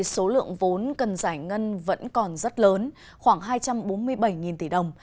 số lượng vốn cần giải ngân vẫn còn rất lớn khoảng hai trăm bốn mươi bảy tỷ đồng